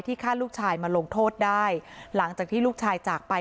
ฆ่าลูกชายมาลงโทษได้หลังจากที่ลูกชายจากไป